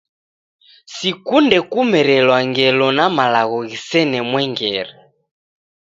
Sikunde kumerelwa ngelo na malagho ghisene mwengere.